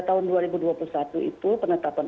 tahun dua ribu dua puluh satu itu penetapan